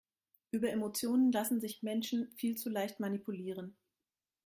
Über Emotionen lassen sich Menschen viel zu leicht manipulieren.